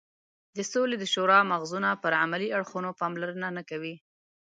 د سولې د شورا مغزونه پر عملي اړخونو پاملرنه نه کوي.